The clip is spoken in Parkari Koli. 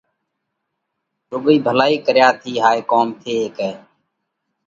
رُوڳئِي ڀلائِي ڪريا ٿِي هائي ڪوم ٿي هيڪئه۔